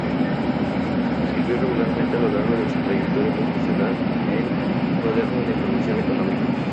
Escribió regularmente, a lo largo de su trayectoria profesional, en "Cuadernos de información Económica".